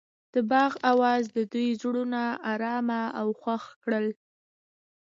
د باغ اواز د دوی زړونه ارامه او خوښ کړل.